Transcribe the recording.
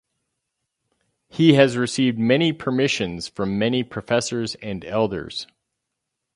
He has received many permissions from many professors and elders.